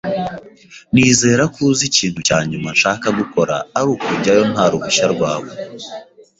Nizere ko uzi ko ikintu cya nyuma nshaka gukora ari ukujyayo nta ruhushya rwawe.